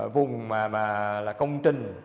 vùng mà là công trình